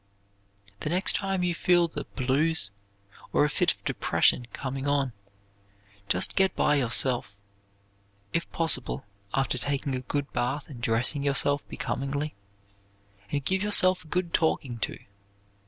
The next time you feel the "blues" or a fit of depression coming on, just get by yourself if possible after taking a good bath and dressing yourself becomingly and give yourself a good talking to.